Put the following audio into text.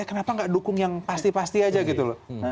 kenapa gak dukung yang pasti pasti aja gitu loh